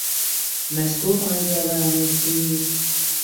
Mēs kopā izvēlējāmies flīzes.